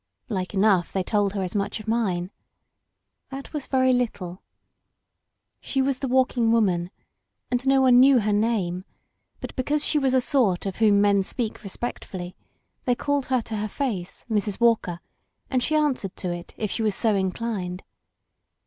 Like enough they told her as much of mine. That was very ^ 195 LOST BORDERS little. She was the Walking Woman, and no one knew her name, but because she was a sort of whom men speak respectfully, they called her to her face Mrs. Walker, and she answered to it if she was so inclined.